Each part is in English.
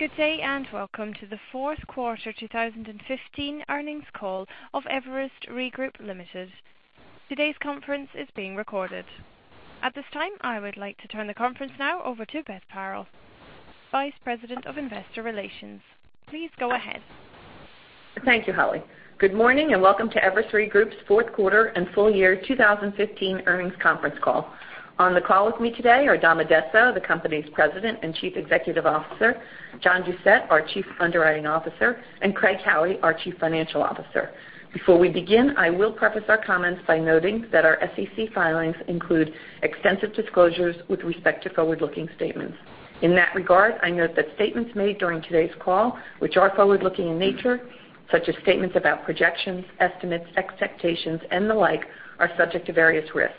Good day, welcome to the fourth quarter 2015 earnings call of Everest Re Group, Ltd. Today's conference is being recorded. At this time, I would like to turn the conference now over to Beth Paretta, Vice President of Investor Relations. Please go ahead. Thank you, Holly. Good morning, welcome to Everest Re Group's fourth quarter and full year 2015 earnings conference call. On the call with me today are Dom Addesso, the company's President and Chief Executive Officer, John Doucette, our Chief Underwriting Officer, Craig Howie, our Chief Financial Officer. Before we begin, I will preface our comments by noting that our SEC filings include extensive disclosures with respect to forward-looking statements. In that regard, I note that statements made during today's call, which are forward-looking in nature, such as statements about projections, estimates, expectations, the like, are subject to various risks.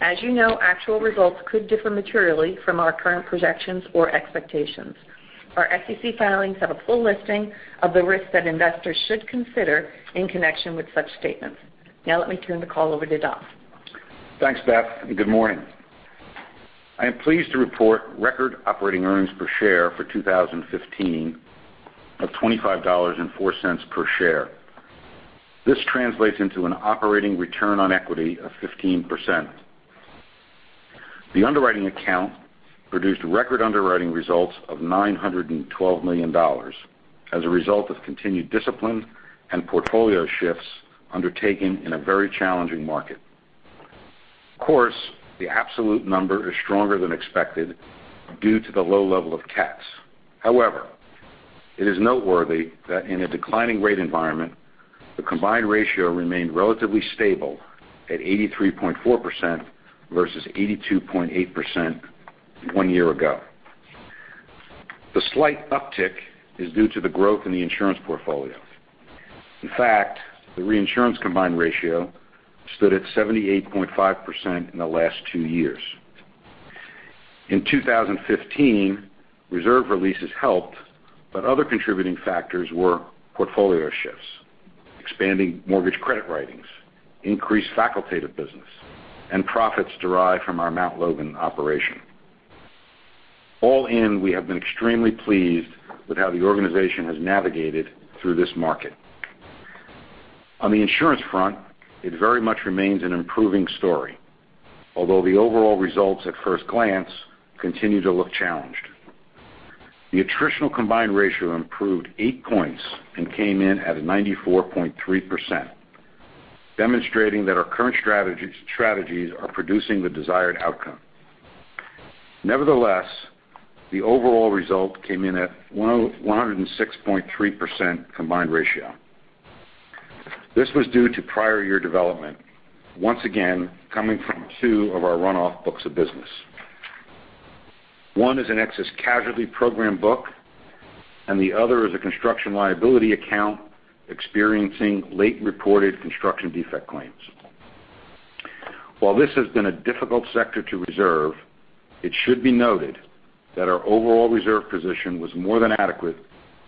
As you know, actual results could differ materially from our current projections or expectations. Our SEC filings have a full listing of the risks that investors should consider in connection with such statements. Let me turn the call over to Dom. Thanks, Beth, good morning. I am pleased to report record operating earnings per share for 2015 of $25.04 per share. This translates into an operating return on equity of 15%. The underwriting account produced record underwriting results of $912 million as a result of continued discipline and portfolio shifts undertaken in a very challenging market. Of course, the absolute number is stronger than expected due to the low level of cats. However, it is noteworthy that in a declining rate environment, the combined ratio remained relatively stable at 83.4% versus 82.8% one year ago. The slight uptick is due to the growth in the insurance portfolio. In fact, the reinsurance combined ratio stood at 78.5% in the last two years. In 2015, reserve releases helped, other contributing factors were portfolio shifts, expanding mortgage credit ratings, increased facultative business, and profits derived from our Mount Logan operation. All in, we have been extremely pleased with how the organization has navigated through this market. On the insurance front, it very much remains an improving story. Although the overall results at first glance continue to look challenged. The attritional combined ratio improved eight points and came in at 94.3%, demonstrating that our current strategies are producing the desired outcome. Nevertheless, the overall result came in at 106.3% combined ratio. This was due to prior year development, once again, coming from two of our runoff books of business. One is an excess casualty program book, the other is a construction liability account experiencing late reported construction defect claims. While this has been a difficult sector to reserve, it should be noted that our overall reserve position was more than adequate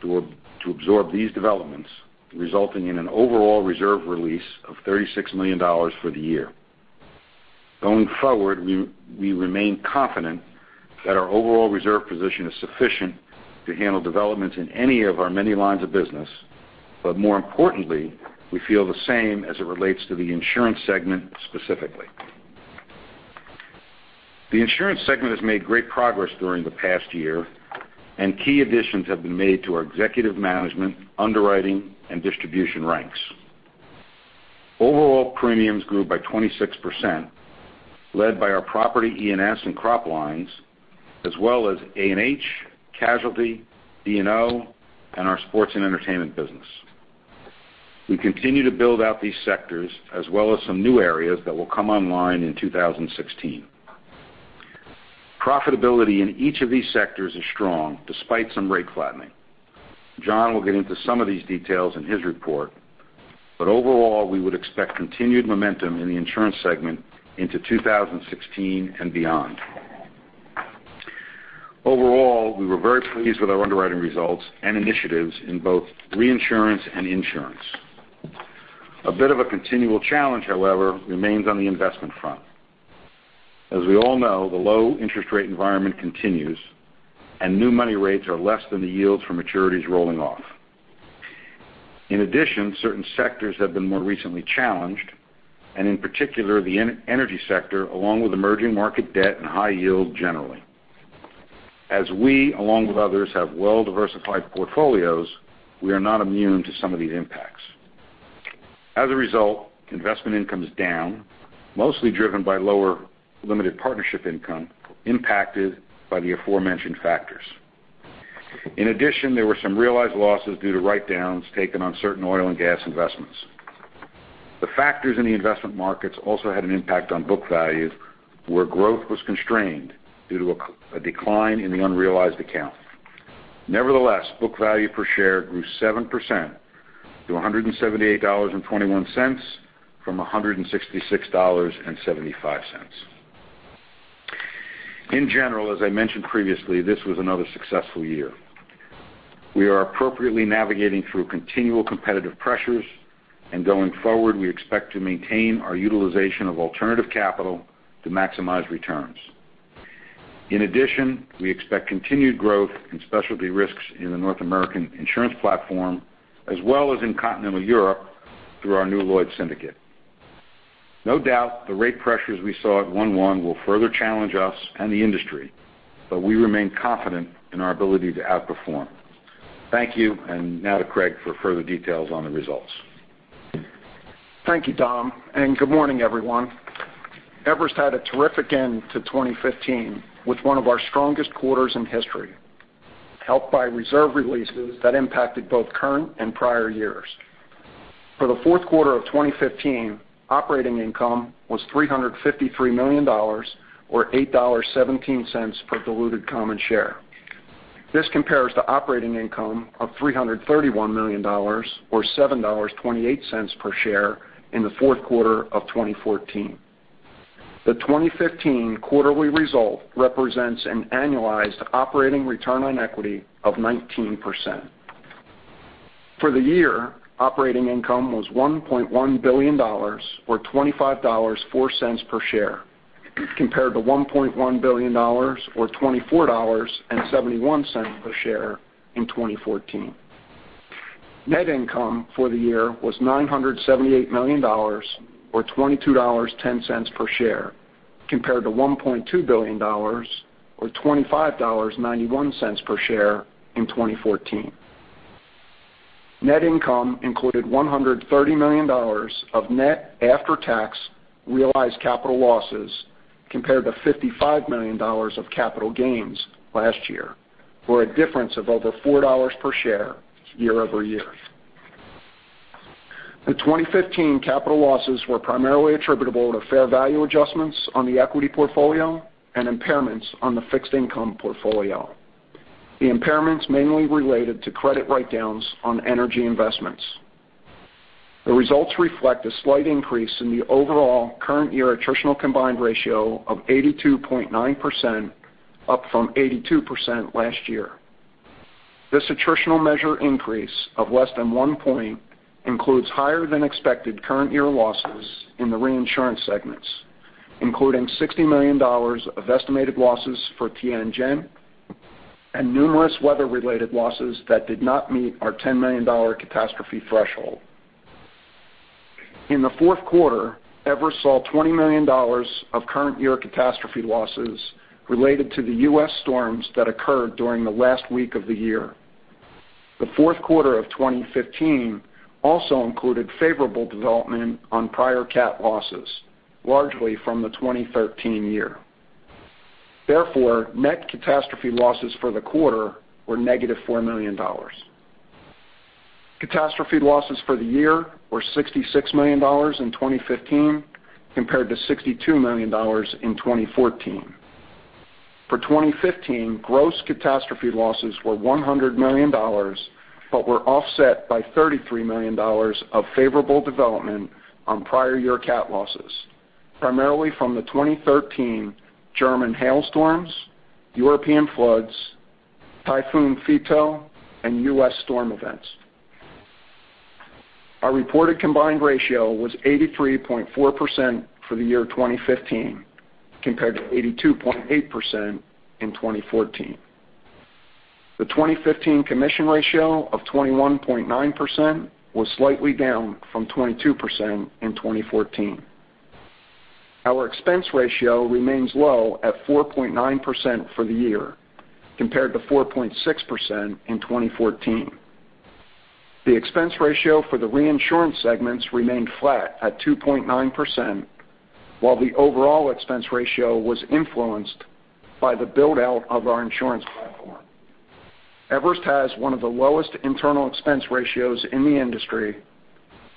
to absorb these developments, resulting in an overall reserve release of $36 million for the year. Going forward, we remain confident that our overall reserve position is sufficient to handle developments in any of our many lines of business, but more importantly, we feel the same as it relates to the insurance segment specifically. The insurance segment has made great progress during the past year, and key additions have been made to our executive management, underwriting, and distribution ranks. Overall premiums grew by 26%, led by our property E&S and crop lines, as well as A&H, casualty, E&O, and our sports and entertainment business. We continue to build out these sectors, as well as some new areas that will come online in 2016. Profitability in each of these sectors is strong despite some rate flattening. John will get into some of these details in his report. Overall, we would expect continued momentum in the insurance segment into 2016 and beyond. Overall, we were very pleased with our underwriting results and initiatives in both reinsurance and insurance. A bit of a continual challenge, however, remains on the investment front. As we all know, the low interest rate environment continues, and new money rates are less than the yields for maturities rolling off. In addition, certain sectors have been more recently challenged, and in particular, the energy sector, along with emerging market debt and high yield generally. As we, along with others, have well diversified portfolios, we are not immune to some of these impacts. As a result, investment income is down, mostly driven by lower limited partnership income impacted by the aforementioned factors. In addition, there were some realized losses due to write-downs taken on certain oil and gas investments. The factors in the investment markets also had an impact on book value, where growth was constrained due to a decline in the unrealized account. Nevertheless, book value per share grew 7% to $178.21 from $166.75. In general, as I mentioned previously, this was another successful year. We are appropriately navigating through continual competitive pressures. Going forward, we expect to maintain our utilization of alternative capital to maximize returns. In addition, we expect continued growth in specialty risks in the North American insurance platform, as well as in Continental Europe through our new Lloyd's syndicate. No doubt the rate pressures we saw at one-one will further challenge us and the industry, but we remain confident in our ability to outperform. Thank you, and now to Craig for further details on the results. Thank you, Dom, and good morning, everyone. Everest had a terrific end to 2015, with one of our strongest quarters in history, helped by reserve releases that impacted both current and prior years. For the fourth quarter of 2015, operating income was $353 million, or $8.17 per diluted common share. This compares to operating income of $331 million, or $7.28 per share in the fourth quarter of 2014. The 2015 quarterly result represents an annualized operating return on equity of 19%. For the year, operating income was $1.1 billion or $25.04 per share, compared to $1.1 billion or $24.71 per share in 2014. Net income for the year was $978 million, or $22.10 per share, compared to $1.2 billion or $25.91 per share in 2014. Net income included $130 million of net after-tax realized capital losses, compared to $55 million of capital gains last year, for a difference of over $4 per share year-over-year. The 2015 capital losses were primarily attributable to fair value adjustments on the equity portfolio and impairments on the fixed income portfolio. The impairments mainly related to credit write-downs on energy investments. The results reflect a slight increase in the overall current year attritional combined ratio of 82.9%, up from 82% last year. This attritional measure increase of less than one point includes higher-than-expected current year losses in the reinsurance segments, including $60 million of estimated losses for Tianjin and numerous weather-related losses that did not meet our $10 million catastrophe threshold. In the fourth quarter, Everest saw $20 million of current year catastrophe losses related to the U.S. storms that occurred during the last week of the year. The fourth quarter of 2015 also included favorable development on prior Cat losses, largely from the 2013 year. Therefore, net catastrophe losses for the quarter were negative $4 million. Catastrophe losses for the year were $66 million in 2015, compared to $62 million in 2014. For 2015, gross catastrophe losses were $100 million, but were offset by $33 million of favorable development on prior year Cat losses, primarily from the 2013 German hailstorms, European floods, Typhoon Fitow, and U.S. storm events. Our reported combined ratio was 83.4% for the year 2015, compared to 82.8% in 2014. The 2015 commission ratio of 21.9% was slightly down from 22% in 2014. Our expense ratio remains low at 4.9% for the year, compared to 4.6% in 2014. The expense ratio for the reinsurance segments remained flat at 2.9%, while the overall expense ratio was influenced by the build-out of our insurance platform. Everest has one of the lowest internal expense ratios in the industry.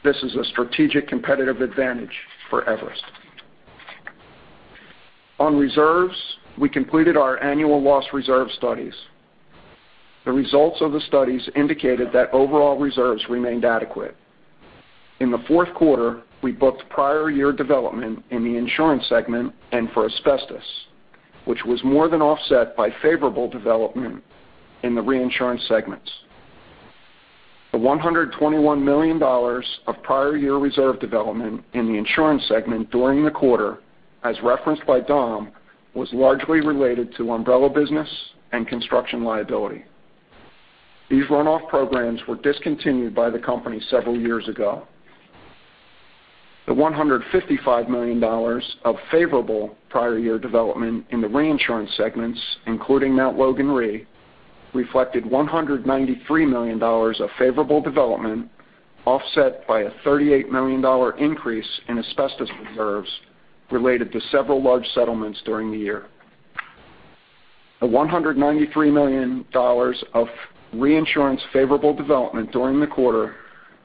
This is a strategic competitive advantage for Everest. On reserves, we completed our annual loss reserve studies. The results of the studies indicated that overall reserves remained adequate. In the fourth quarter, we booked prior year development in the insurance segment and for asbestos, which was more than offset by favorable development in the reinsurance segments. The $121 million of prior year reserve development in the insurance segment during the quarter, as referenced by Dom, was largely related to umbrella business and construction liability. These run-off programs were discontinued by the company several years ago. The $155 million of favorable prior year development in the reinsurance segments, including Mt. Logan Re, reflected $193 million of favorable development, offset by a $38 million increase in asbestos reserves related to several large settlements during the year. The $193 million of reinsurance favorable development during the quarter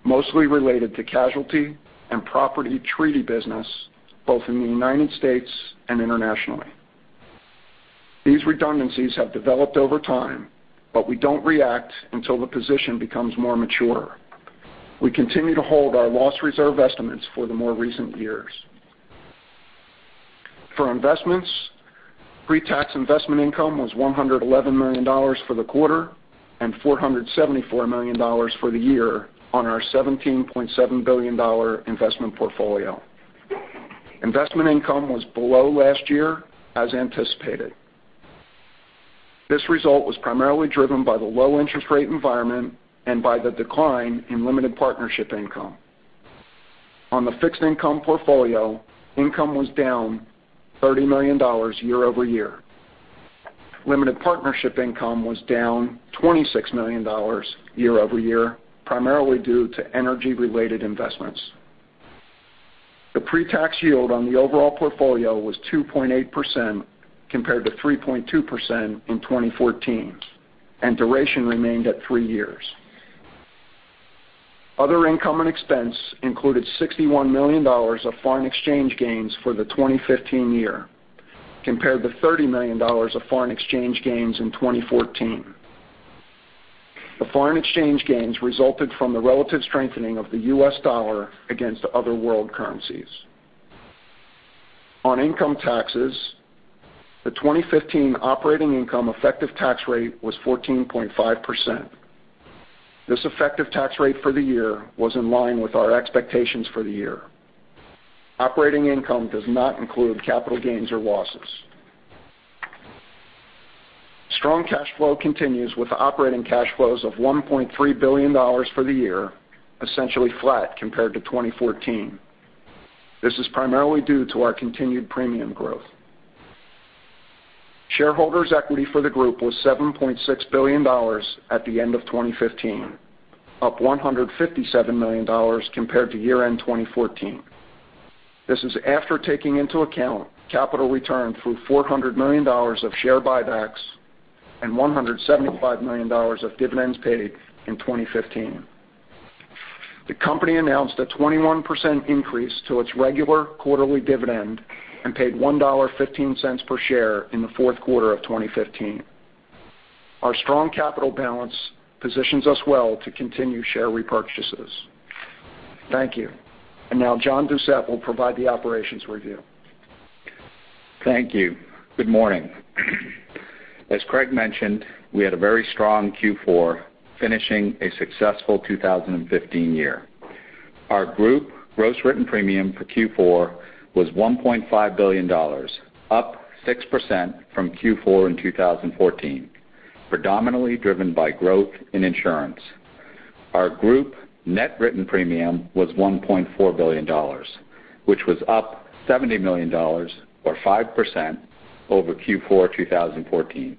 mostly related to casualty and property treaty business, both in the U.S. and internationally. These redundancies have developed over time, but we don't react until the position becomes more mature. We continue to hold our loss reserve estimates for the more recent years. For investments, pre-tax investment income was $111 million for the quarter and $474 million for the year on our $17.7 billion investment portfolio. Investment income was below last year as anticipated. This result was primarily driven by the low interest rate environment and by the decline in limited partnership income. On the fixed income portfolio, income was down $30 million year-over-year. Limited partnership income was down $26 million year-over-year, primarily due to energy-related investments. The pre-tax yield on the overall portfolio was 2.8% compared to 3.2% in 2014, and duration remained at three years. Other income and expense included $61 million of foreign exchange gains for the 2015 year, compared to $30 million of foreign exchange gains in 2014. The foreign exchange gains resulted from the relative strengthening of the US dollar against other world currencies. On income taxes, the 2015 operating income effective tax rate was 14.5%. This effective tax rate for the year was in line with our expectations for the year. Operating income does not include capital gains or losses. Strong cash flow continues with operating cash flows of $1.3 billion for the year, essentially flat compared to 2014. This is primarily due to our continued premium growth. Shareholders' equity for the group was $7.6 billion at the end of 2015, up $157 million compared to year-end 2014. This is after taking into account capital return through $400 million of share buybacks and $175 million of dividends paid in 2015. The company announced a 21% increase to its regular quarterly dividend and paid $1.15 per share in the fourth quarter of 2015. Our strong capital balance positions us well to continue share repurchases. Thank you. Now John Doucette will provide the operations review. Thank you. Good morning. As Craig mentioned, we had a very strong Q4, finishing a successful 2015 year. Our group gross written premium for Q4 was $1.5 billion, up 6% from Q4 in 2014, predominantly driven by growth in insurance. Our group net written premium was $1.4 billion, which was up $70 million, or 5%, over Q4 2014.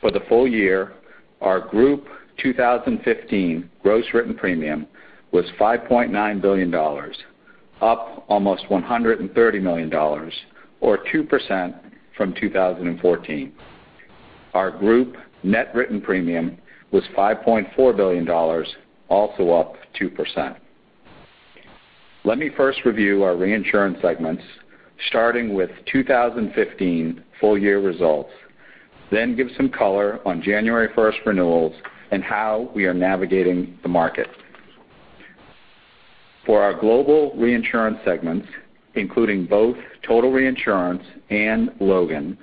For the full year, our group 2015 gross written premium was $5.9 billion, up almost $130 million, or 2% from 2014. Our group net written premium was $5.4 billion, also up 2%. Let me first review our reinsurance segments, starting with 2015 full-year results, then give some color on January 1st renewals and how we are navigating the market. For our global reinsurance segments, including both Total Reinsurance and Logan,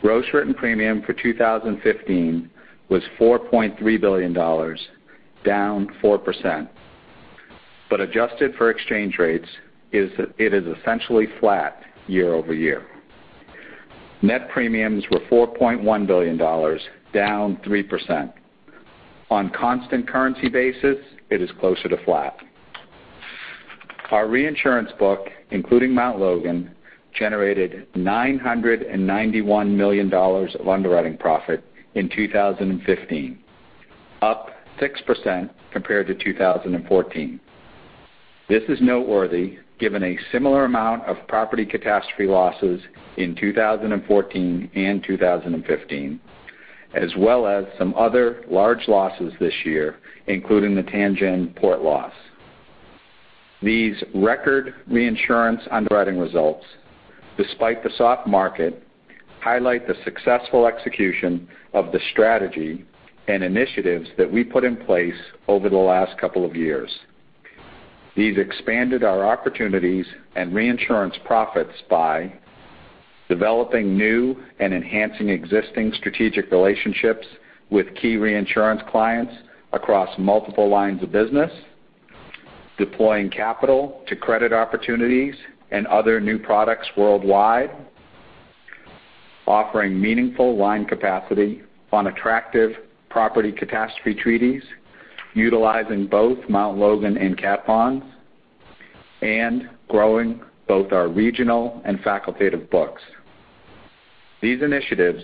gross written premium for 2015 was $4.3 billion, down 4%. Adjusted for exchange rates, it is essentially flat year-over-year. Net premiums were $4.1 billion, down 3%. On constant currency basis, it is closer to flat. Our reinsurance book, including Mount Logan, generated $991 million of underwriting profit in 2015, up 6% compared to 2014. This is noteworthy given a similar amount of property catastrophe losses in 2014 and 2015, as well as some other large losses this year, including the Tianjin port loss. These record reinsurance underwriting results, despite the soft market, highlight the successful execution of the strategy and initiatives that we put in place over the last couple of years. These expanded our opportunities and reinsurance profits by developing new and enhancing existing strategic relationships with key reinsurance clients across multiple lines of business, deploying capital to credit opportunities and other new products worldwide, offering meaningful line capacity on attractive property catastrophe treaties, utilizing both Mount Logan and Cat Bonds, and growing both our regional and facultative books. These initiatives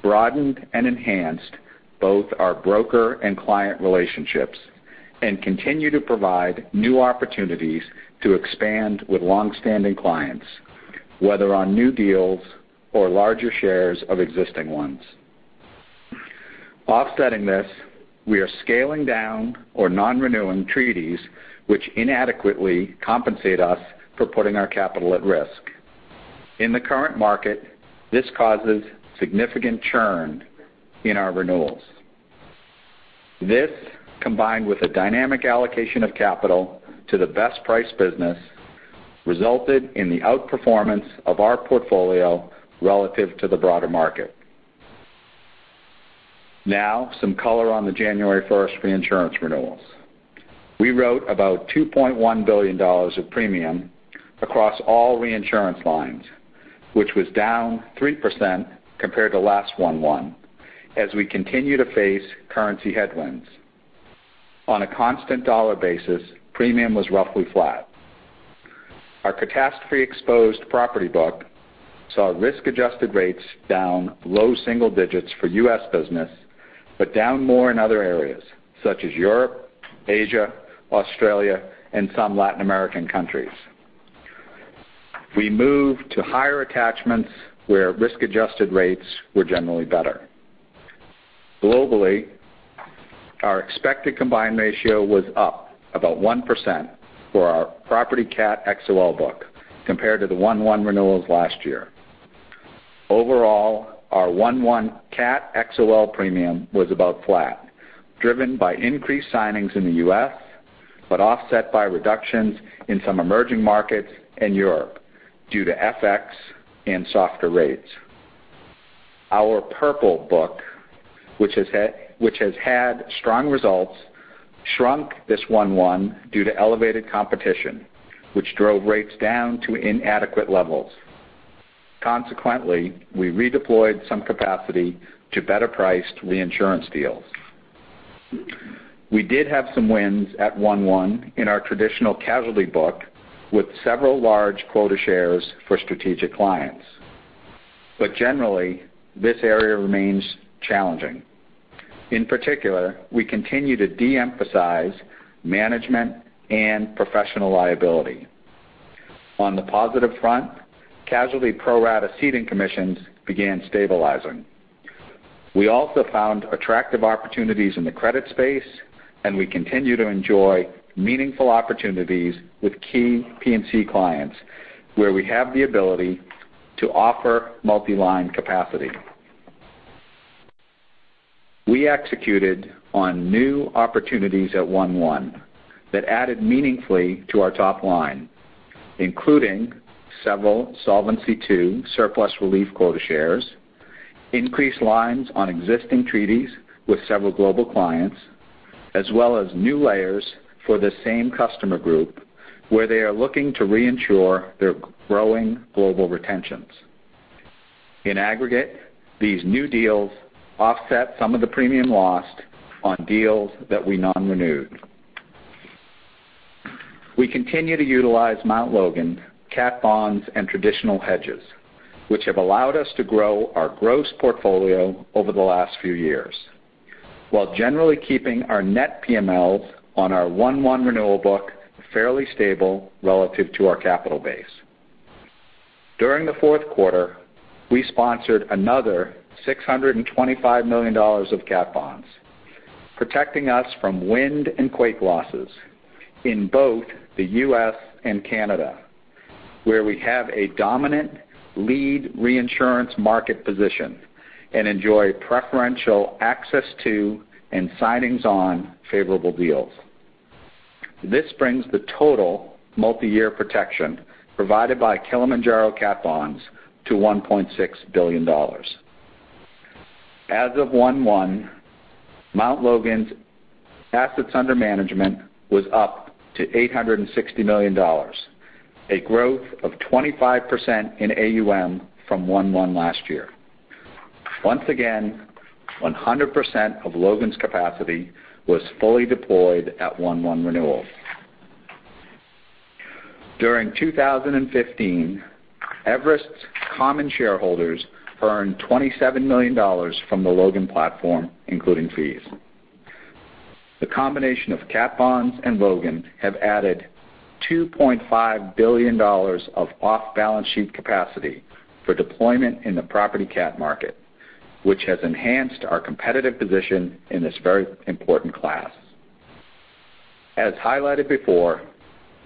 broadened and enhanced both our broker and client relationships and continue to provide new opportunities to expand with longstanding clients, whether on new deals or larger shares of existing ones. Offsetting this, we are scaling down or non-renewing treaties which inadequately compensate us for putting our capital at risk. In the current market, this causes significant churn in our renewals. This, combined with a dynamic allocation of capital to the best price business, resulted in the outperformance of our portfolio relative to the broader market. Some color on the January 1st reinsurance renewals. We wrote about $2.1 billion of premium across all reinsurance lines, which was down 3% compared to last 1/1 as we continue to face currency headwinds. On a constant dollar basis, premium was roughly flat. Our catastrophe exposed property book saw risk adjusted rates down low single digits for U.S. business, but down more in other areas such as Europe, Asia, Australia, and some Latin American countries. We moved to higher attachments where risk adjusted rates were generally better. Globally, our expected combined ratio was up about 1% for our property cat XOL book compared to the 1/1 renewals last year. Overall, our 1/1 cat XOL premium was about flat, driven by increased signings in the U.S., but offset by reductions in some emerging markets and Europe due to FX and softer rates. Our purple book, which has had strong results, shrunk this 1/1 due to elevated competition, which drove rates down to inadequate levels. Consequently, we redeployed some capacity to better priced reinsurance deals. We did have some wins at 1/1 in our traditional casualty book with several large quota shares for strategic clients. Generally, this area remains challenging. In particular, we continue to de-emphasize management and professional liability. On the positive front, casualty pro rata ceding commissions began stabilizing. We also found attractive opportunities in the credit space, and we continue to enjoy meaningful opportunities with key P&C clients where we have the ability to offer multi-line capacity. We executed on new opportunities at 1/1 that added meaningfully to our top line, including several Solvency II surplus relief quota shares, increased lines on existing treaties with several global clients, as well as new layers for the same customer group where they are looking to reinsure their growing global retentions. In aggregate, these new deals offset some of the premium lost on deals that we non-renewed. We continue to utilize Mount Logan Cat Bonds and traditional hedges, which have allowed us to grow our gross portfolio over the last few years, while generally keeping our net PMLs on our 1/1 renewal book fairly stable relative to our capital base. During the fourth quarter, we sponsored another $625 million of Cat Bonds, protecting us from wind and quake losses in both the U.S. and Canada, where we have a dominant lead reinsurance market position and enjoy preferential access to and signings on favorable deals. This brings the total multi-year protection provided by Kilimanjaro Cat Bonds to $1.6 billion. As of 1/1, Mount Logan's assets under management was up to $860 million, a growth of 25% in AUM from 1/1 last year. Once again, 100% of Logan's capacity was fully deployed at 1/1 renewal. During 2015, Everest's common shareholders earned $27 million from the Logan platform, including fees. The combination of Cat Bonds and Logan have added $2.5 billion of off-balance sheet capacity for deployment in the property cat market, which has enhanced our competitive position in this very important class. As highlighted before,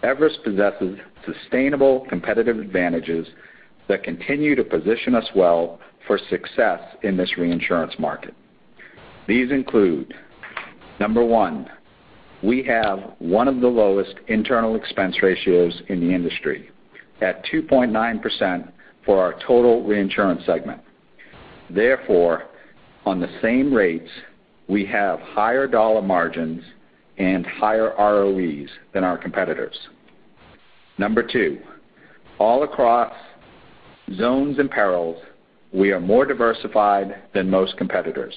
Everest possesses sustainable competitive advantages that continue to position us well for success in this reinsurance market. These include, number one, we have one of the lowest internal expense ratios in the industry at 2.9% for our total reinsurance segment. Therefore, on the same rates, we have higher dollar margins and higher ROEs than our competitors. Number two, all across zones and perils, we are more diversified than most competitors,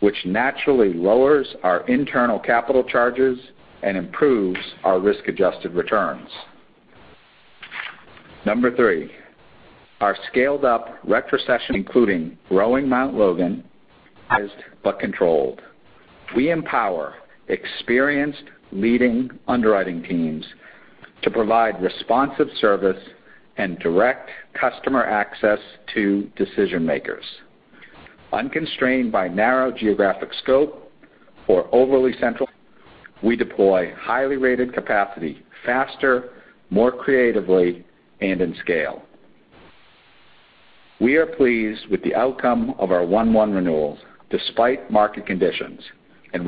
which naturally lowers our internal capital charges and improves our risk adjusted returns. Number three, our scaled up retrocession including growing Mount Logan is centralized but controlled. We empower experienced leading underwriting teams to provide responsive service and direct customer access to decision makers. Unconstrained by narrow geographic scope or overly central, we deploy highly rated capacity faster, more creatively, and in scale. We are pleased with the outcome of our 1/1 renewals despite market conditions.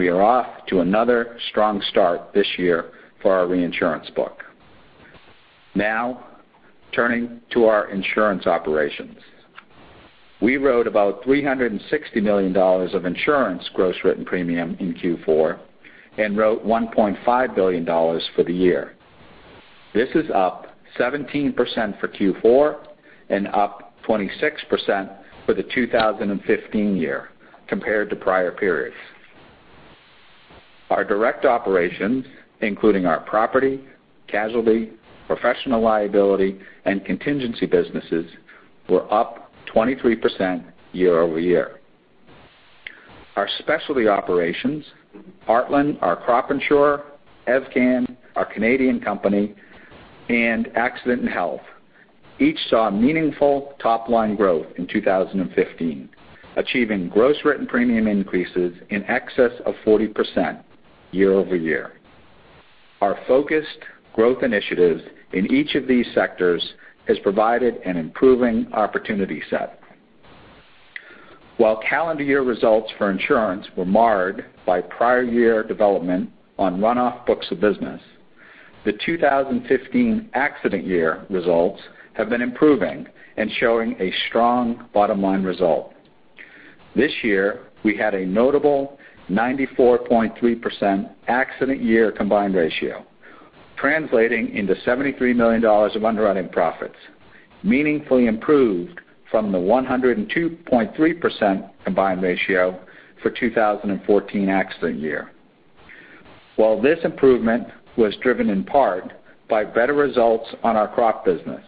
We are off to another strong start this year for our reinsurance book. Now turning to our insurance operations. We wrote about $360 million of insurance gross written premium in Q4. Wrote $1.5 billion for the year. This is up 17% for Q4 and up 26% for the 2015 year compared to prior periods. Our direct operations, including our property, casualty, professional liability, and contingency businesses, were up 23% year-over-year. Our specialty operations, Heartland, our crop insurer, Everest Insurance Company of Canada, our Canadian company, and A&H, each saw meaningful top-line growth in 2015, achieving gross written premium increases in excess of 40% year-over-year. Our focused growth initiatives in each of these sectors has provided an improving opportunity set. While calendar year results for insurance were marred by prior year development on runoff books of business, the 2015 accident year results have been improving and showing a strong bottom-line result. This year, we had a notable 94.3% accident year combined ratio, translating into $73 million of underwriting profits, meaningfully improved from the 102.3% combined ratio for 2014 accident year. While this improvement was driven in part by better results on our crop business,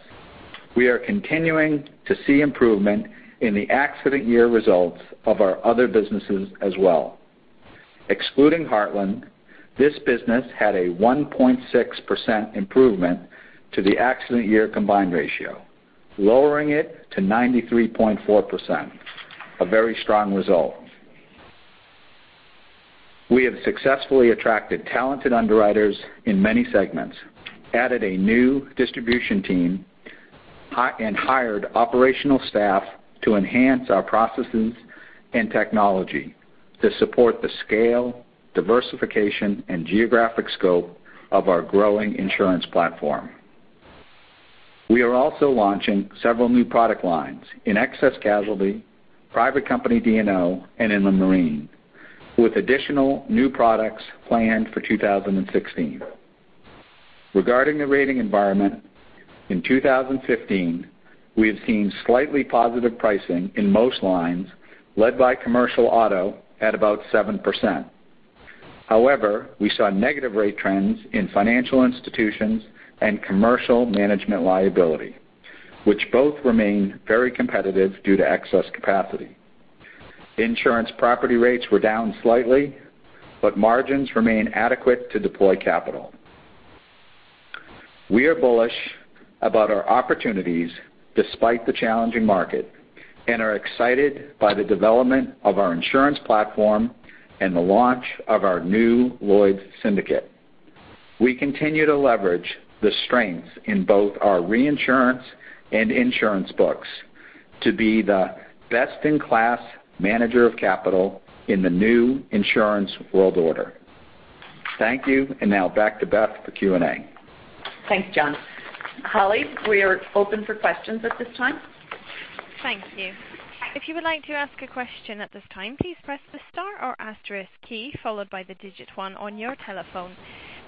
we are continuing to see improvement in the accident year results of our other businesses as well. Excluding Heartland, this business had a 1.6% improvement to the accident year combined ratio, lowering it to 93.4%, a very strong result. We have successfully attracted talented underwriters in many segments, added a new distribution team, and hired operational staff to enhance our processes and technology to support the scale, diversification, and geographic scope of our growing insurance platform. We are also launching several new product lines in excess casualty, private company D&O, and inland marine, with additional new products planned for 2016. Regarding the rating environment, in 2015, we have seen slightly positive pricing in most lines, led by commercial auto at about 7%. However, we saw negative rate trends in financial institutions and commercial management liability, which both remain very competitive due to excess capacity. Insurance property rates were down slightly, but margins remain adequate to deploy capital. We are bullish about our opportunities despite the challenging market and are excited by the development of our insurance platform and the launch of our new Lloyd's Syndicate. We continue to leverage the strengths in both our reinsurance and insurance books to be the best-in-class manager of capital in the new insurance world order. Thank you, and now back to Beth for Q&A. Thanks, John. Operator, we are open for questions at this time. Thank you. If you would like to ask a question at this time, please press the star or asterisk key followed by the digit 1 on your telephone.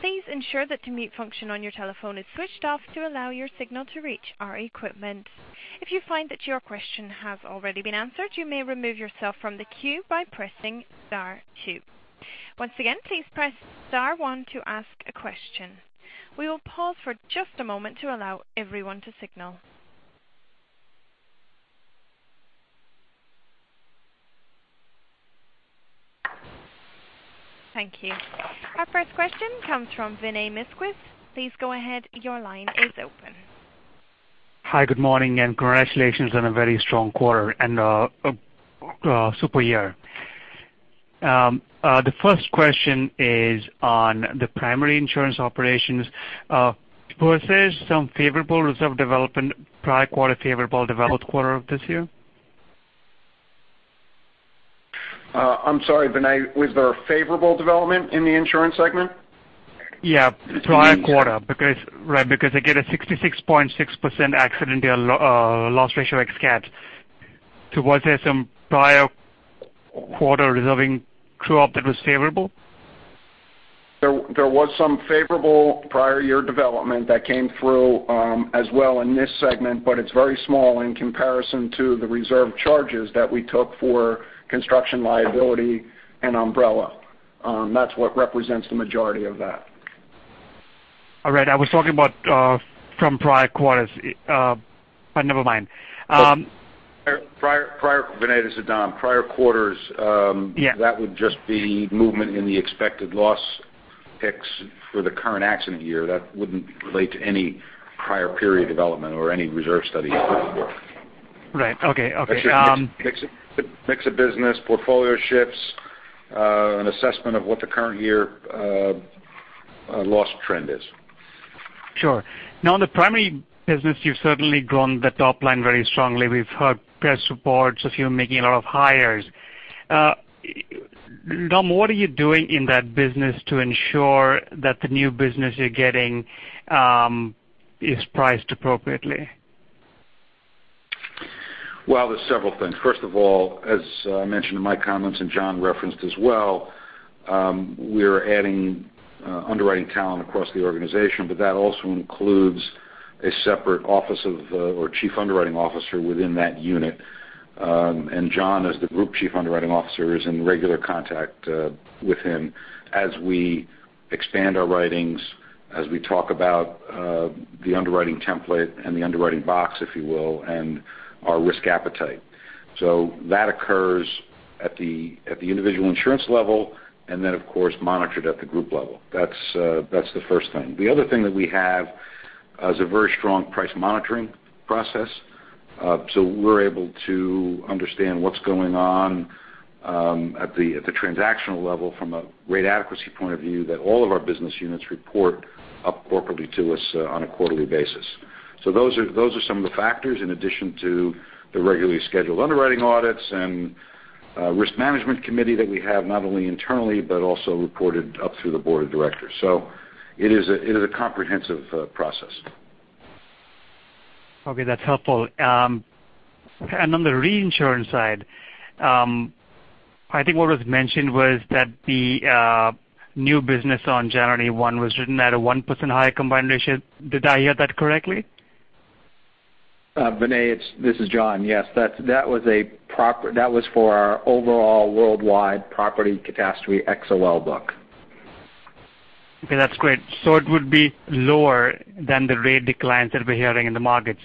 Please ensure that the mute function on your telephone is switched off to allow your signal to reach our equipment. If you find that your question has already been answered, you may remove yourself from the queue by pressing star two. Once again, please press star one to ask a question. We will pause for just a moment to allow everyone to signal. Thank you. Our first question comes from Vinay Misquith. Please go ahead. Your line is open. Hi, good morning, Congratulations on a very strong quarter and a super year. The first question is on the primary insurance operations. Was there some favorable reserve development prior quarter, favorable developed quarter of this year? I'm sorry, Vinay, was there a favorable development in the insurance segment? Yeah, prior quarter, because I get a 66.6% accident year loss ratio ex cat. Was there some prior quarter reserving true up that was favorable? There was some favorable prior year development that came through as well in this segment, but it's very small in comparison to the reserve charges that we took for construction liability and umbrella. That's what represents the majority of that. All right. I was talking about from prior quarters, but never mind. Vinay, this is Dom. Prior quarters- Yeah That would just be movement in the expected loss picks for the current accident year. That wouldn't relate to any prior period development or any reserve study as it would work. Right. Okay. Mix of business, portfolio shifts, an assessment of what the current year loss trend is. In the primary business, you've certainly grown the top line very strongly. We've heard press reports of you making a lot of hires. Dom, what are you doing in that business to ensure that the new business you're getting is priced appropriately? Well, there's several things. First of all, as I mentioned in my comments and John referenced as well, we're adding underwriting talent across the organization, but that also includes a separate office of, or Chief Underwriting Officer within that unit. John, as the Group Chief Underwriting Officer, is in regular contact with him as we expand our writings, as we talk about the underwriting template and the underwriting box, if you will, and our risk appetite. That occurs at the individual insurance level and then, of course, monitored at the group level. That's the first thing. The other thing that we have is a very strong price monitoring process. We're able to understand what's going on at the transactional level from a rate adequacy point of view that all of our business units report up corporately to us on a quarterly basis. Those are some of the factors in addition to the regularly scheduled underwriting audits and Risk Management Committee that we have, not only internally but also reported up through the Board of Directors. It is a comprehensive process. Okay, that's helpful. On the reinsurance side, I think what was mentioned was that the new business on January 1 was written at a 1% higher combined ratio. Did I hear that correctly? Vinay, this is John. Yes. That was for our overall worldwide property catastrophe XOL book. Okay, that's great. It would be lower than the rate declines that we're hearing in the markets.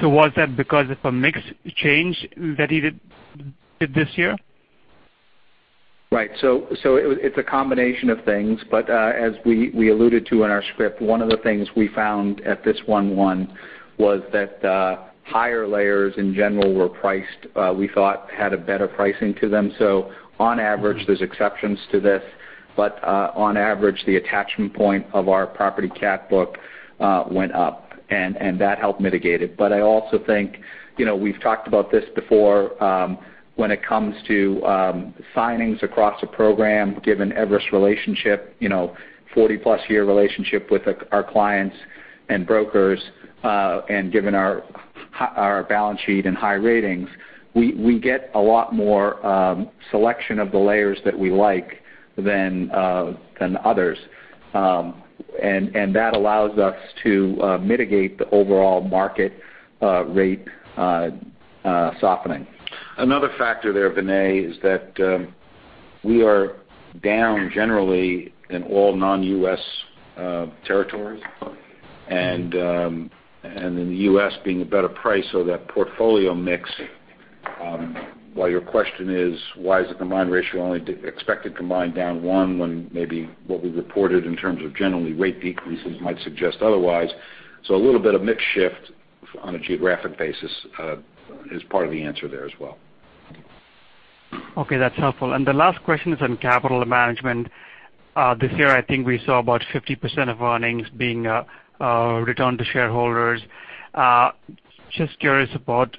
Was that because of a mix change that you did this year? Right. It's a combination of things, but as we alluded to in our script, one of the things we found at this one-one was that higher layers in general were priced, we thought had a better pricing to them. On average, there's exceptions to this, but on average, the attachment point of our property cat book went up, and that helped mitigate it. I also think, we've talked about this before, when it comes to signings across a program, given Everest's relationship, 40-plus year relationship with our clients and brokers, and given our balance sheet and high ratings, we get a lot more selection of the layers that we like than others. That allows us to mitigate the overall market rate softening. Another factor there, Vinay, is that we are down generally in all non-U.S. territories, and in the U.S. being a better price. That portfolio mix, while your question is why is the combined ratio only expected combined down one when maybe what we reported in terms of generally rate decreases might suggest otherwise. A little bit of mix shift on a geographic basis is part of the answer there as well. Okay, that's helpful. The last question is on capital management. This year, I think we saw about 50% of earnings being returned to shareholders. Just curious about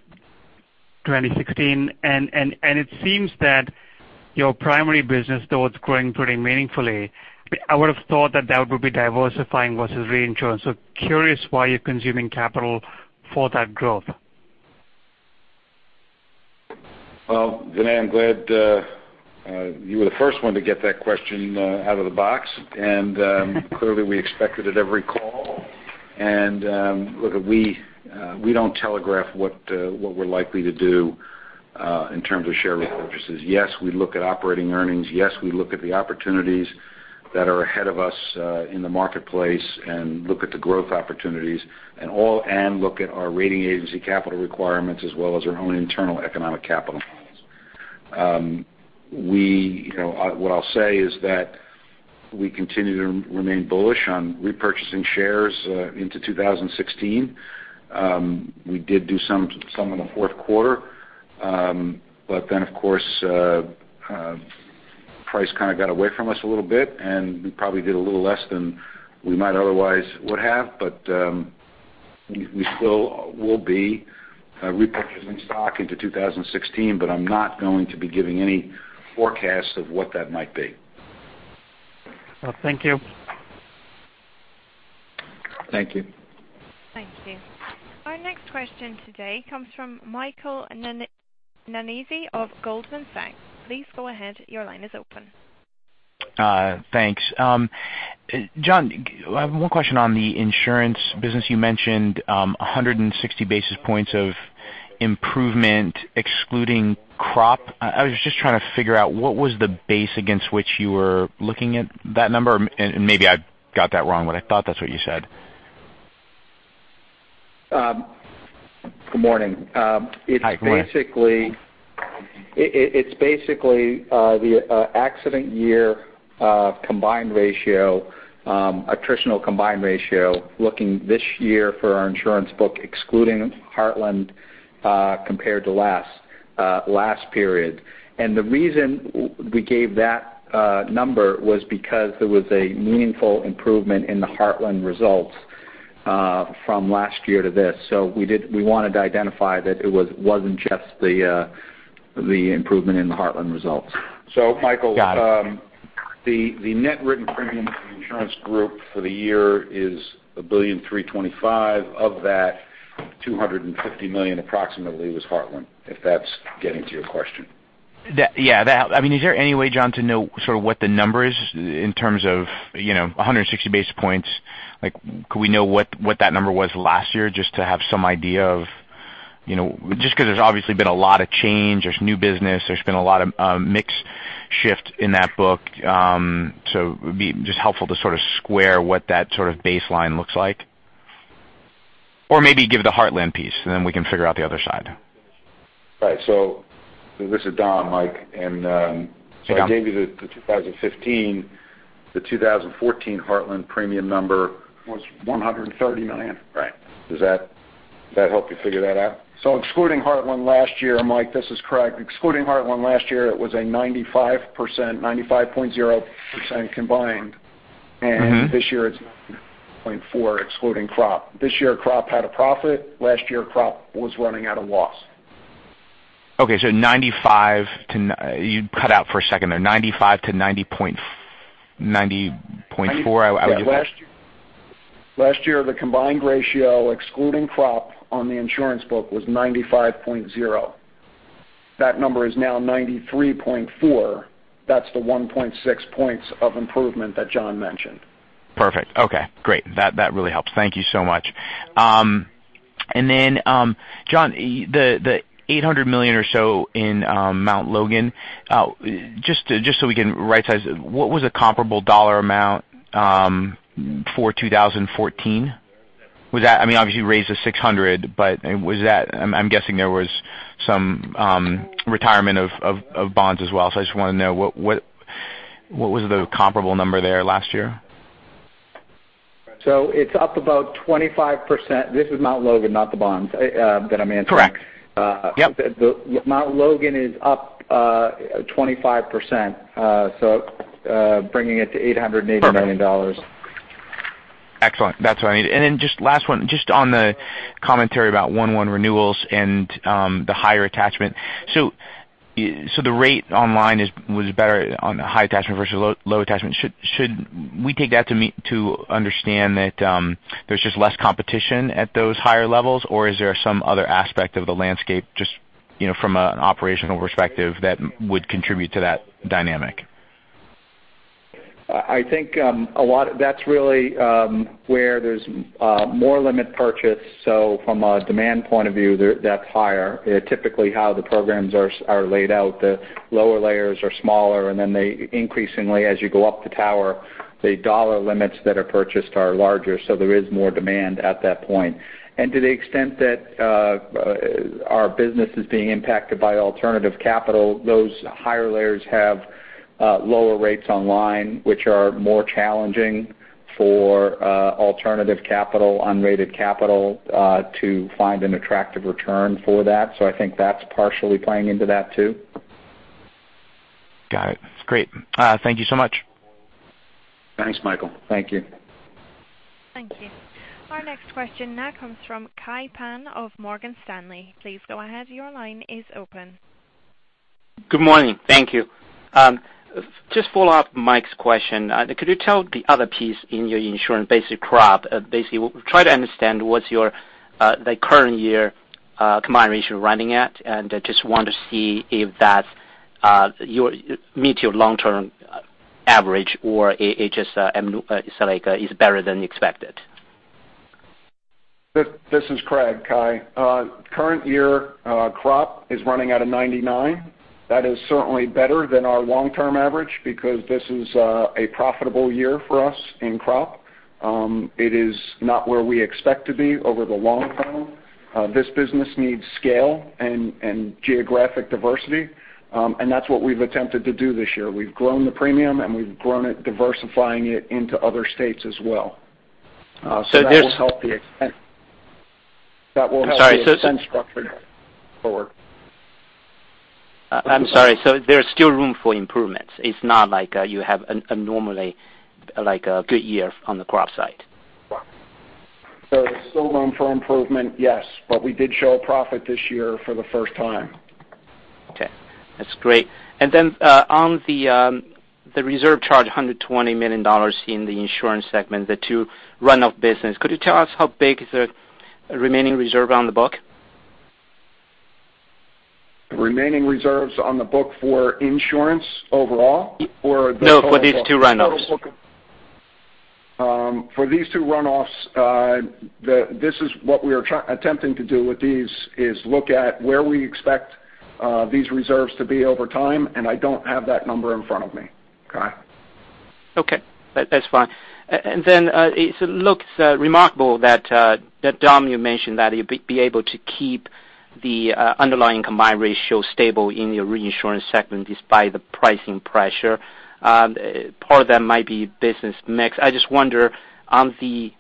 2016 and it seems that your primary business, though it's growing pretty meaningfully, I would've thought that would be diversifying versus reinsurance. Curious why you're consuming capital for that growth. Well, Vinay, I'm glad you were the first one to get that question out of the box. Clearly we expect it at every call. Look, we don't telegraph what we're likely to do in terms of share repurchases. Yes, we look at operating earnings. Yes, we look at the opportunities that are ahead of us in the marketplace and look at the growth opportunities, and look at our rating agency capital requirements as well as our own internal economic capital requirements. What I'll say is that we continue to remain bullish on repurchasing shares into 2016. We did do some in the fourth quarter. Of course, price kind of got away from us a little bit, and we probably did a little less than we might otherwise would have. We still will be repurchasing stock into 2016, but I'm not going to be giving any forecast of what that might be. Well, thank you. Thank you. Thank you. Our next question today comes from Michael Nannizzi of Goldman Sachs. Please go ahead. Your line is open. Thanks. John, I have one question on the insurance business. You mentioned 160 basis points of improvement excluding crop. I was just trying to figure out what was the base against which you were looking at that number? Maybe I got that wrong, but I thought that's what you said. Good morning. Hi, good morning. It's basically the accident year combined ratio, attritional combined ratio looking this year for our insurance book, excluding Heartland, compared to last. Last period. The reason we gave that number was because there was a meaningful improvement in the Heartland results from last year to this. We wanted to identify that it wasn't just the improvement in the Heartland results. Michael- Got it. The net written premium for the insurance group for the year is $1.325 billion. Of that, $250 million approximately was Heartland, if that's getting to your question. Yeah. Is there any way, John, to know sort of what the number is in terms of 160 basis points? Could we know what that number was last year just to have some idea of Just because there's obviously been a lot of change, there's new business, there's been a lot of mix shift in that book. It would be just helpful to sort of square what that sort of baseline looks like. Maybe give the Heartland piece, and then we can figure out the other side. Right. This is Dom, Mike. Yeah. I gave you the 2015. The 2014 Heartland premium number was $130 million. Right. Does that help you figure that out? Excluding Heartland last year, Mike, this is Craig. Excluding Heartland last year, it was a 95.0% combined. This year it's 93.4% excluding crop. This year crop had a profit. Last year crop was running at a loss. 95 to You cut out for a second there. 95 to 90.4%, I would guess. Last year, the combined ratio excluding crop on the insurance book was 95.0. That number is now 93.4. That's the 1.6 points of improvement that John mentioned. Perfect. Okay, great. That really helps. Thank you so much. John, the $800 million or so in Mount Logan, just so we can right size it, what was a comparable dollar amount for 2014? Obviously you raised it $600, but I'm guessing there was some retirement of bonds as well. I just want to know what was the comparable number there last year? It's up about 25%. This is Mount Logan, not the bonds that I'm answering. Correct. Yep. Mount Logan is up 25%, so bringing it to $880 million. Perfect. Excellent. That's what I need. Just last one, just on the commentary about 1/1 renewals and the higher attachment. The rate on line was better on the high attachment versus low attachment. Should we take that to understand that there's just less competition at those higher levels, or is there some other aspect of the landscape just from an operational perspective that would contribute to that dynamic? I think that's really where there's more limit purchase. From a demand point of view, that's higher. Typically how the programs are laid out, the lower layers are smaller, they increasingly, as you go up the tower, the dollar limits that are purchased are larger, so there is more demand at that point. To the extent that our business is being impacted by alternative capital, those higher layers have lower rates on line, which are more challenging for alternative capital, unrated capital, to find an attractive return for that. I think that's partially playing into that too. Got it. Great. Thank you so much. Thanks, Michael. Thank you. Thank you. Our next question now comes from Kai Pan of Morgan Stanley. Please go ahead, your line is open. Good morning. Thank you. Just follow up Mike's question. Could you tell the other piece in your insurance basic crop? Basically, try to understand what's your current year combined ratio running at, and just want to see if that meet your long term average, or it just is better than expected. This is Craig, Kai. Current year crop is running at a 99. That is certainly better than our long term average because this is a profitable year for us in crop. It is not where we expect to be over the long term. This business needs scale and geographic diversity, and that's what we've attempted to do this year. We've grown the premium, and we've grown it diversifying it into other states as well. That will help the expense structure going forward. I'm sorry. There's still room for improvements. It's not like you have a normally good year on the crop side. There's still room for improvement, yes. We did show a profit this year for the first time. Okay, that's great. Then on the reserve charge, $120 million in the insurance segment, the 2 runoff business, could you tell us how big is the remaining reserve on the book? Remaining reserves on the book for insurance overall or? No, for these two runoffs. For these two runoffs, this is what we are attempting to do with these is look at where we expect these reserves to be over time, and I don't have that number in front of me, Kai. Okay. That's fine. Then it looks remarkable that Dom, you mentioned that you'd be able to keep the underlying combined ratio stable in your reinsurance segment despite the pricing pressure. Part of that might be business mix. I just wonder on the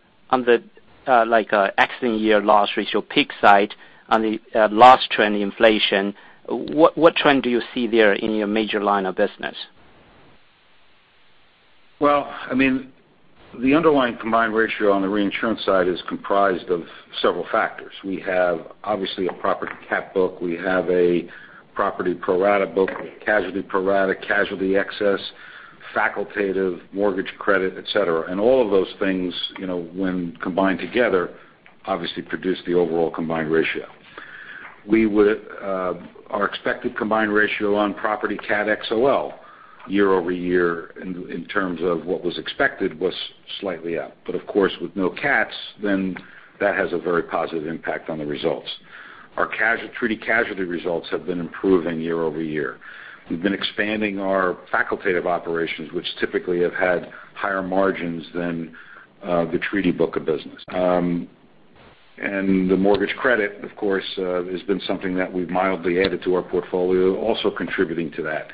accident year loss ratio pick side, on the loss trend inflation, what trend do you see there in your major line of business? Well, the underlying combined ratio on the reinsurance side is comprised of several factors. We have, obviously, a property cat book, we have a property pro rata book, a casualty pro rata, casualty excess, facultative mortgage credit, et cetera. All of those things, when combined together, obviously produce the overall combined ratio. Our expected combined ratio on property cat XOL year-over-year in terms of what was expected was slightly up. Of course, with no cats, then that has a very positive impact on the results. Our treaty casualty results have been improving year-over-year. We've been expanding our facultative operations, which typically have had higher margins than the treaty book of business. The mortgage credit, of course, has been something that we've mildly added to our portfolio, also contributing to that.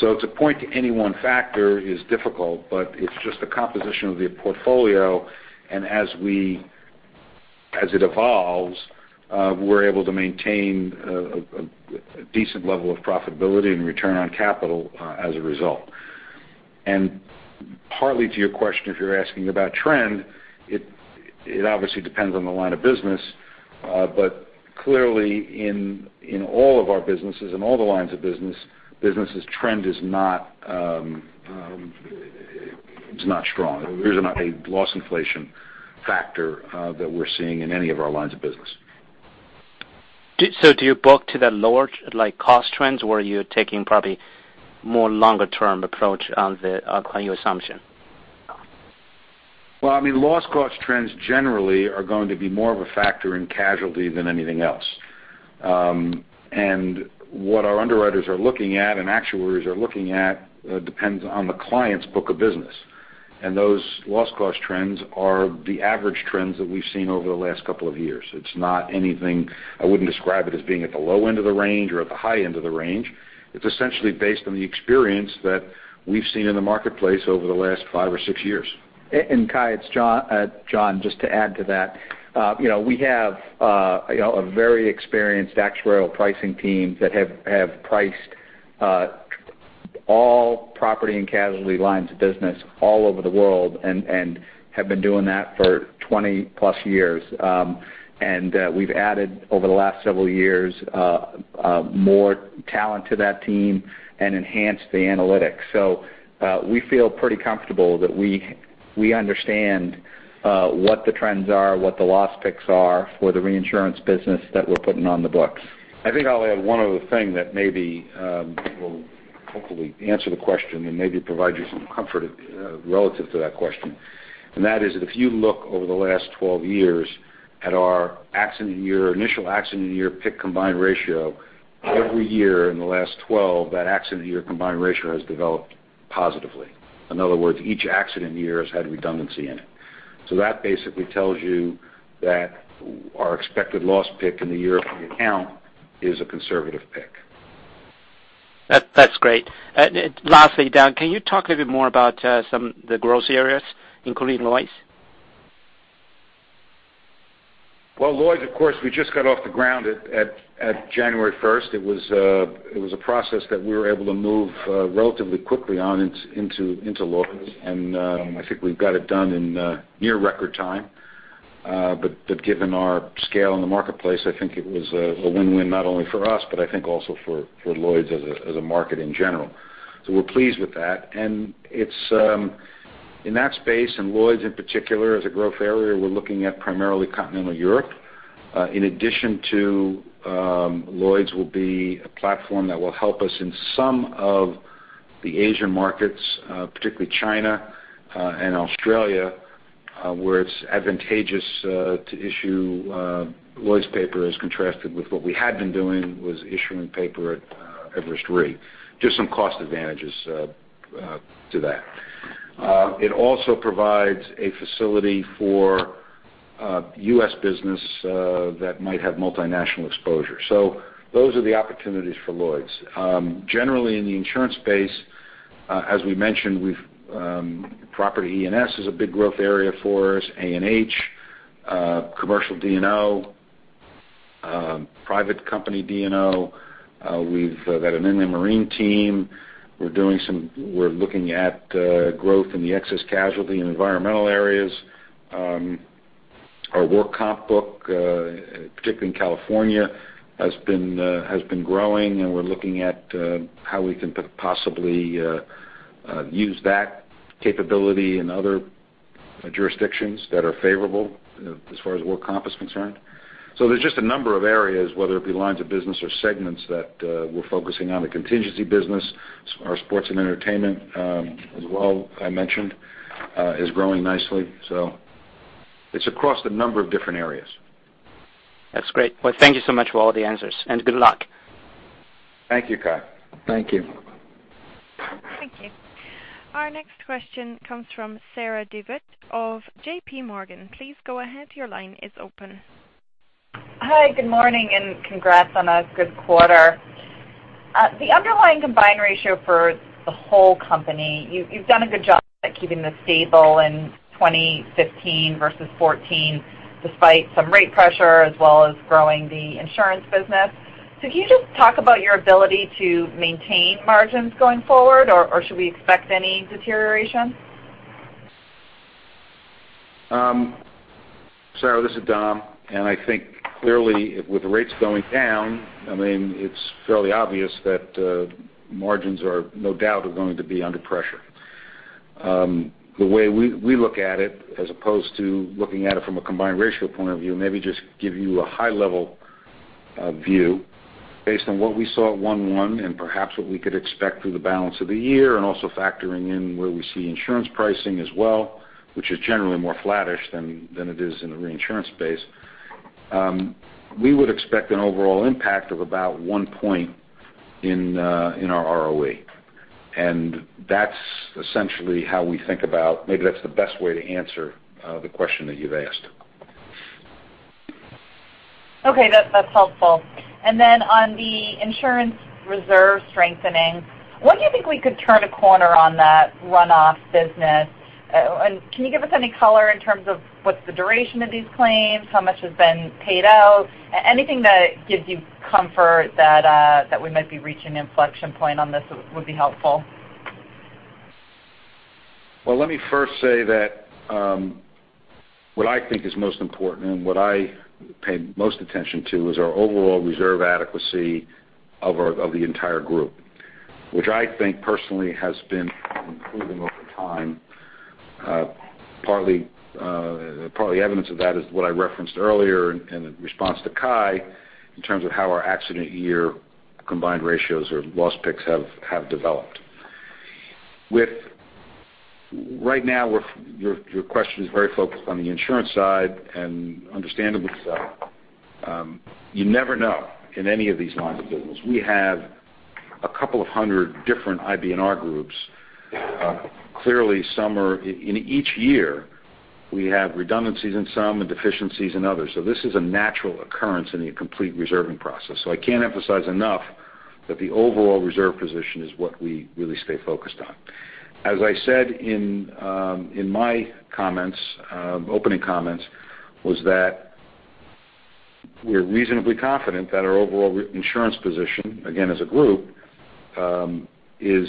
To point to any one factor is difficult, but it's just a composition of the portfolio, and as it evolves, we're able to maintain a decent level of profitability and return on capital as a result. Partly to your question, if you're asking about trend, it obviously depends on the line of business. Clearly in all of our businesses, in all the lines of businesses, trend is not strong. There's not a loss inflation factor that we're seeing in any of our lines of business. Do you book to the lower cost trends, or are you taking probably more longer-term approach on your assumption? Well, loss cost trends generally are going to be more of a factor in casualty than anything else. What our underwriters are looking at and actuaries are looking at depends on the client's book of business. Those loss cost trends are the average trends that we've seen over the last couple of years. It's not anything, I wouldn't describe it as being at the low end of the range or at the high end of the range. It's essentially based on the experience that we've seen in the marketplace over the last five or six years. Kai, it's John. Just to add to that, we have a very experienced actuarial pricing team that have priced all property and casualty lines of business all over the world and have been doing that for 20+ years. We've added over the last several years more talent to that team and enhanced the analytics. We feel pretty comfortable that we understand what the trends are, what the loss picks are for the reinsurance business that we're putting on the books. I think I'll add one other thing that maybe will hopefully answer the question and maybe provide you some comfort relative to that question. That is if you look over the last 12 years at our initial accident year pick combined ratio, every year in the last 12, that accident year combined ratio has developed positively. In other words, each accident year has had redundancy in it. That basically tells you that our expected loss pick in the year of the account is a conservative pick. That's great. Lastly, Dominic, can you talk a little bit more about the growth areas, including Lloyd's? Lloyd's of course we just got off the ground at January 1st. It was a process that we were able to move relatively quickly on into Lloyd's, I think we've got it done in near record time. Given our scale in the marketplace, I think it was a win-win not only for us, but I think also for Lloyd's as a market in general. We're pleased with that. In that space, in Lloyd's in particular as a growth area, we're looking at primarily continental Europe. In addition to Lloyd's will be a platform that will help us in some of the Asian markets, particularly China and Australia, where it's advantageous to issue Lloyd's paper as contrasted with what we had been doing was issuing paper at Everest Re. Just some cost advantages to that. It also provides a facility for U.S. business that might have multinational exposure. Those are the opportunities for Lloyd's. Generally in the insurance space, as we mentioned, property E&S is a big growth area for us, A&H, commercial D&O, private company D&O. We've got an inland marine team. We're looking at growth in the excess casualty and environmental areas. Our work comp book, particularly in California, has been growing and we're looking at how we can possibly use that capability in other jurisdictions that are favorable as far as work comp is concerned. There's just a number of areas, whether it be lines of business or segments that we're focusing on. The contingency business, our sports and entertainment as well, I mentioned, is growing nicely. It's across a number of different areas. That's great. Well, thank you so much for all the answers and good luck. Thank you, Kai. Thank you. Thank you. Our next question comes from Sarah DeWitt of J.P. Morgan. Please go ahead, your line is open. Hi, good morning. Congrats on a good quarter. The underlying combined ratio for the whole company, you've done a good job at keeping this stable in 2015 versus 2014, despite some rate pressure as well as growing the insurance business. Can you just talk about your ability to maintain margins going forward, or should we expect any deterioration? Sarah, this is Dom. I think clearly with the rates going down, it's fairly obvious that margins are no doubt going to be under pressure. The way we look at it, as opposed to looking at it from a combined ratio point of view, maybe just give you a high-level view based on what we saw at 1/1 and perhaps what we could expect through the balance of the year and also factoring in where we see insurance pricing as well, which is generally more flattish than it is in the reinsurance space. We would expect an overall impact of about one point in our ROE. That's essentially how we think about. Maybe that's the best way to answer the question that you've asked. Okay. That's helpful. Then on the insurance reserve strengthening, when do you think we could turn a corner on that runoff business? Can you give us any color in terms of what's the duration of these claims, how much has been paid out? Anything that gives you comfort that we might be reaching an inflection point on this would be helpful. Well, let me first say that what I think is most important and what I pay most attention to is our overall reserve adequacy of the entire group, which I think personally has been improving over time. Partly evidence of that is what I referenced earlier in response to Kai, in terms of how our accident year combined ratios or loss picks have developed. Right now, your question is very focused on the insurance side and understandably so. You never know in any of these lines of business. We have a couple of hundred different IBNR groups. Clearly, in each year, we have redundancies in some and deficiencies in others. This is a natural occurrence in the complete reserving process. I can't emphasize enough that the overall reserve position is what we really stay focused on. As I said in my opening comments, was that we're reasonably confident that our overall insurance position, again, as a group, is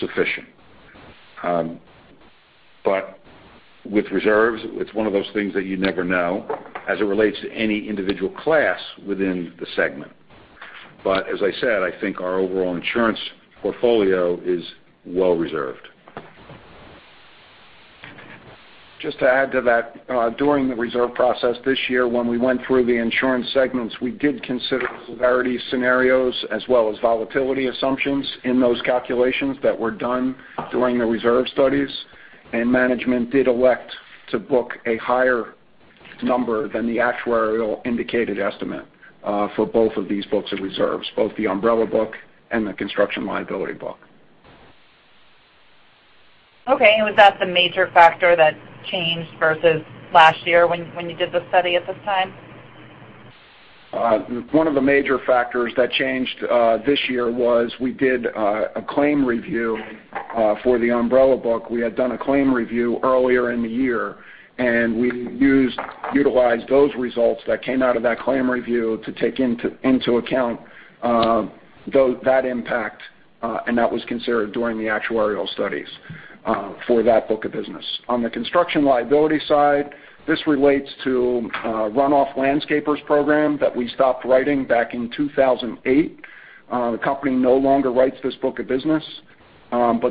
sufficient. With reserves, it's one of those things that you never know as it relates to any individual class within the segment. As I said, I think our overall insurance portfolio is well reserved. Just to add to that, during the reserve process this year when we went through the insurance segments, we did consider the severity scenarios as well as volatility assumptions in those calculations that were done during the reserve studies, management did elect to book a higher number than the actuarial indicated estimate for both of these books of reserves, both the umbrella book and the construction liability book. Okay. Was that the major factor that changed versus last year when you did the study at this time? One of the major factors that changed this year was we did a claim review for the umbrella book. We had done a claim review earlier in the year, we utilized those results that came out of that claim review to take into account that impact, that was considered during the actuarial studies for that book of business. On the construction liability side, this relates to a runoff landscapers program that we stopped writing back in 2008. The company no longer writes this book of business.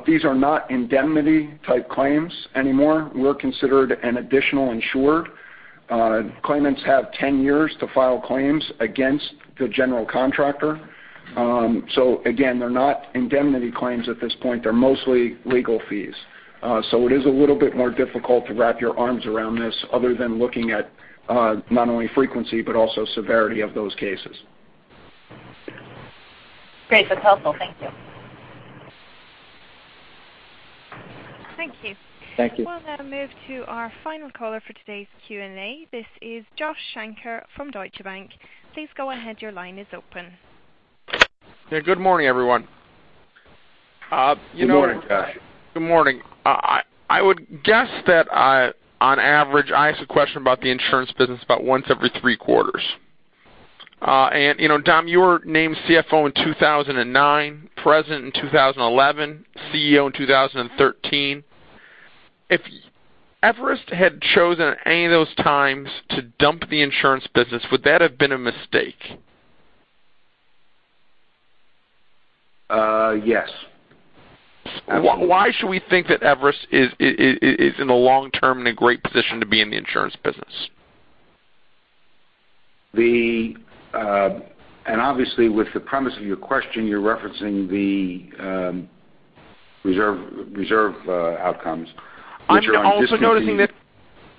These are not indemnity type claims anymore. We're considered an additional insurer. Claimants have 10 years to file claims against the general contractor. Again, they're not indemnity claims at this point. They're mostly legal fees. It is a little bit more difficult to wrap your arms around this other than looking at not only frequency but also severity of those cases. Great. That's helpful. Thank you. Thank you. Thank you. We'll now move to our final caller for today's Q&A. This is Joshua Shanker from Deutsche Bank. Please go ahead. Your line is open. Yeah. Good morning, everyone. Good morning, Josh. Good morning. I would guess that on average, I ask a question about the insurance business about once every three quarters. Dom, you were named CFO in 2009, President in 2011, CEO in 2013. If Everest had chosen any of those times to dump the insurance business, would that have been a mistake? Yes. Why should we think that Everest is in the long term in a great position to be in the insurance business? Obviously, with the premise of your question, you're referencing the reserve outcomes, which are undisputedly-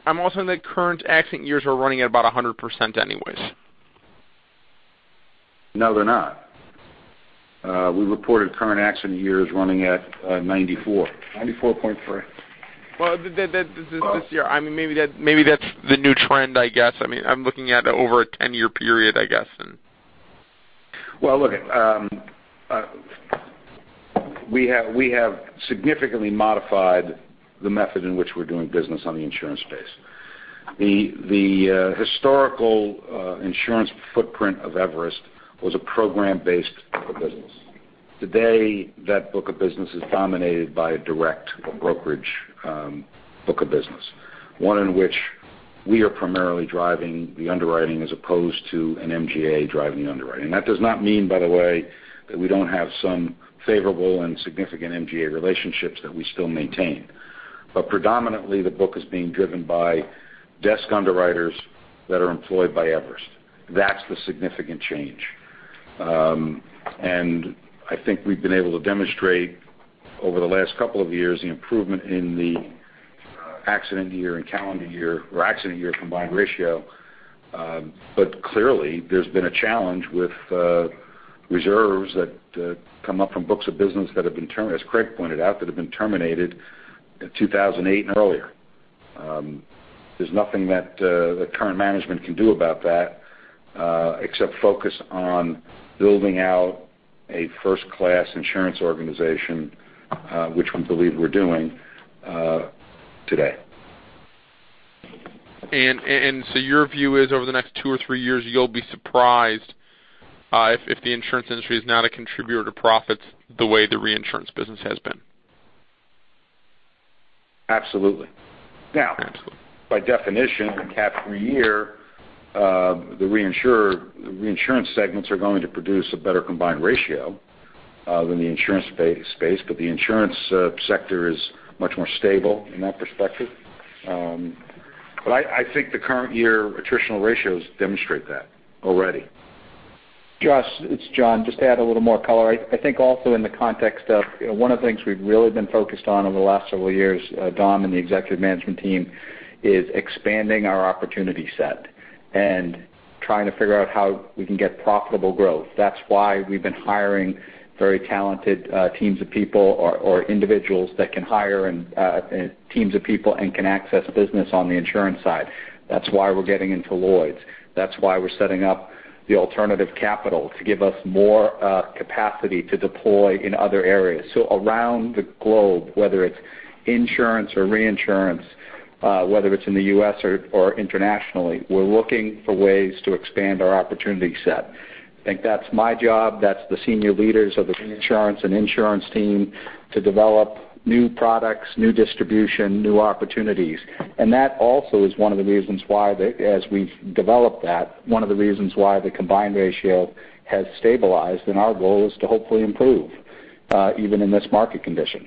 I'm also noting that current accident years are running at about 100% anyways No, they're not. We reported current accident years running at 94. 94.3. Well, this year, maybe that's the new trend, I guess. I'm looking at over a 10 year period, I guess. Well, look, we have significantly modified the method in which we're doing business on the insurance space. The historical insurance footprint of Everest was a program-based book of business. Today, that book of business is dominated by a direct brokerage book of business, one in which we are primarily driving the underwriting as opposed to an MGA driving the underwriting. That does not mean, by the way, that we don't have some favorable and significant MGA relationships that we still maintain. Predominantly, the book is being driven by desk underwriters that are employed by Everest. That's the significant change. I think we've been able to demonstrate over the last couple of years the improvement in the accident year and calendar year or accident year combined ratio. Clearly, there's been a challenge with reserves that come up from books of business, as Craig pointed out, that have been terminated in 2008 and earlier. There's nothing that the current management can do about that except focus on building out a first-class insurance organization, which we believe we're doing today. Your view is over the next two or three years, you'll be surprised if the insurance industry is not a contributor to profits the way the reinsurance business has been? Absolutely. Absolutely. By definition, in a cat year, the reinsurance segments are going to produce a better combined ratio than the insurance space, but the insurance sector is much more stable in that perspective. I think the current year attritional ratios demonstrate that already. Josh, it's John. Just to add a little more color. I think also in the context of one of the things we've really been focused on over the last several years, Don and the executive management team, is expanding our opportunity set and trying to figure out how we can get profitable growth. That's why we've been hiring very talented teams of people or individuals that can hire teams of people and can access business on the insurance side. That's why we're getting into Lloyd's. That's why we're setting up the alternative capital to give us more capacity to deploy in other areas. Around the globe, whether it's insurance or reinsurance, whether it's in the U.S. or internationally, we're looking for ways to expand our opportunity set. I think that's my job. That's the senior leaders of the reinsurance and insurance team to develop new products, new distribution, new opportunities. That also is one of the reasons why, as we've developed that, one of the reasons why the combined ratio has stabilized and our goal is to hopefully improve even in this market condition.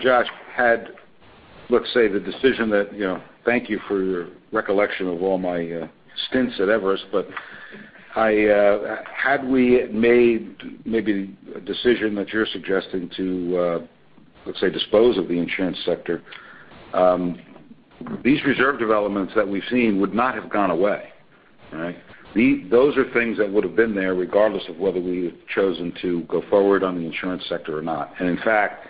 Josh, had, let's say, the decision that thank you for your recollection of all my stints at Everest. Had we made maybe a decision that you're suggesting to, let's say, dispose of the insurance sector, these reserve developments that we've seen would not have gone away. Those are things that would have been there regardless of whether we had chosen to go forward on the insurance sector or not. In fact,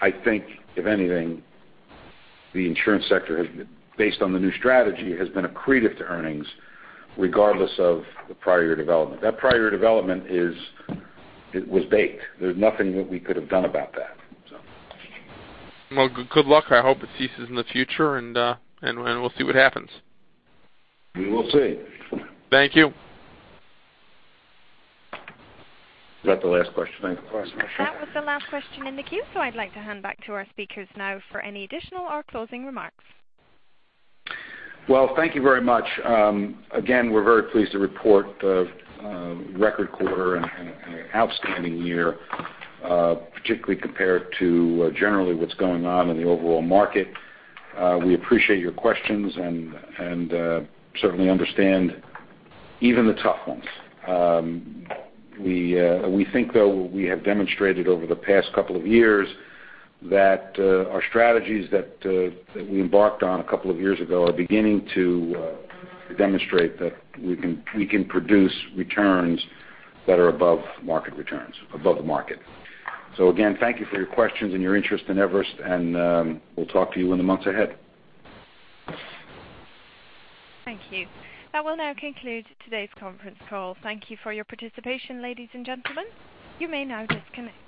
I think if anything, the insurance sector, based on the new strategy, has been accretive to earnings regardless of the prior year development. That prior year development was baked. There's nothing that we could have done about that. Well, good luck. I hope it ceases in the future, and we'll see what happens. We will see. Thank you. Is that the last question? Thank you. That was the last question in the queue. I'd like to hand back to our speakers now for any additional or closing remarks. Thank you very much. Again, we're very pleased to report a record quarter and an outstanding year, particularly compared to generally what's going on in the overall market. We appreciate your questions and certainly understand even the tough ones. We think, though, we have demonstrated over the past couple of years that our strategies that we embarked on a couple of years ago are beginning to demonstrate that we can produce returns that are above market returns, above the market. Again, thank you for your questions and your interest in Everest, and we'll talk to you in the months ahead. Thank you. That will now conclude today's conference call. Thank you for your participation, ladies and gentlemen. You may now disconnect.